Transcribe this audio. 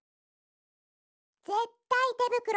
ぜったいてぶくろ。